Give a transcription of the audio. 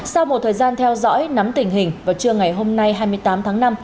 sau một thời gian theo dõi nắm tình hình vào trưa ngày hôm nay hai mươi tám tháng năm